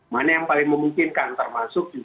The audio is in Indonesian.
mana yang paling memungkinkan termasuk